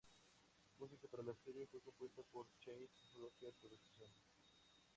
Música para la serie fue compuesta por Chase Rucker Producciones.